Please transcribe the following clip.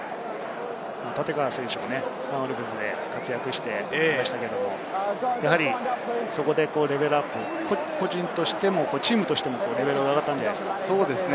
立川選手もサンウルブズで活躍して、やはり、そこでレベルアップ、個人としてもチームとしてもレベルが上がったんじゃないですか？